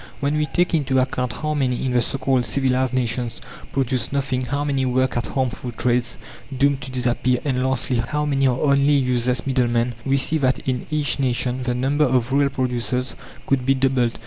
When we take into account how many, in the so called civilized nations, produce nothing, how many work at harmful trades, doomed to disappear, and lastly, how many are only useless middlemen, we see that in each nation the number of real producers could be doubled.